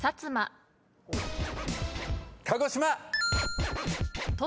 鹿児島。